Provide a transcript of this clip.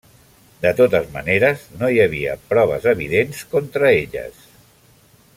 De totes maneres no hi havia proves evidents contra elles.